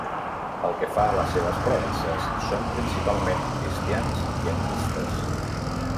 Pel que fa a les seves creences, són principalment cristians i animistes.